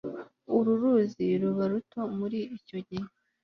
Uru ruzi ruba ruto muri icyo gihe